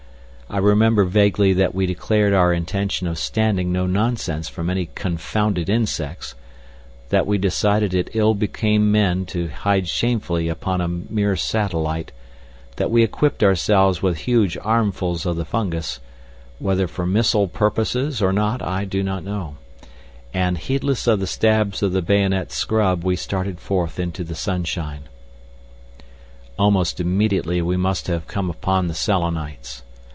I remember vaguely that we declared our intention of standing no nonsense from any confounded insects, that we decided it ill became men to hide shamefully upon a mere satellite, that we equipped ourselves with huge armfuls of the fungus—whether for missile purposes or not I do not know—and, heedless of the stabs of the bayonet scrub, we started forth into the sunshine. Almost immediately we must have come upon the Selenites.